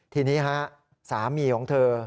ทีนี้ฮะสามีของเธอ